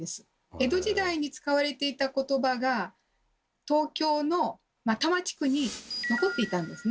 江戸時代に使われていた言葉が東京の多摩地区に残っていたんですね。